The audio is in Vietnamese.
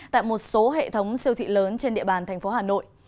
tại một số hệ thống siêu thị lớn trên địa bàn thành phố hà nội